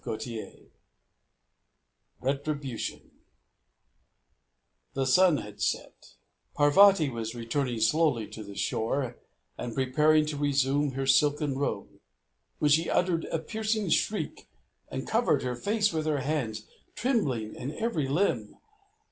CHAPTER XVIII RETRIBUTION The sun had set; Parvati was returning slowly to the shore and preparing to resume her silken robe, when she uttered a piercing shriek, and covered her face with her hands trembling in every limb.